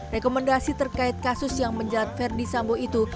rekomendasi terkait kasus yang menjelat verdi sambo itu